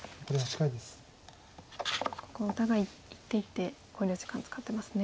ここお互い一手一手考慮時間使ってますね。